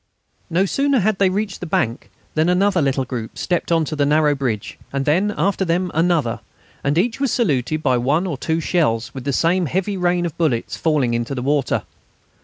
No sooner had they reached the bank than another little group stepped on to the narrow bridge, and then, after them, another; and each was saluted by one or two shells, with the same heavy rain of bullets falling into the water.